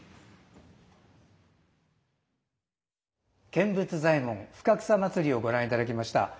「見物左衛門深草祭」をご覧いただきました。